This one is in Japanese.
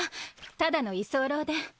ただの居候で。